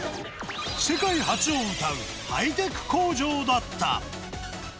世界初をうたうハイテク工場だった。